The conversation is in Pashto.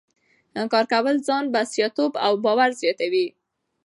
کار کول ځان بسیا توب او باور زیاتوي.